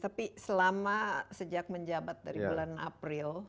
tapi selama sejak menjabat dari bulan april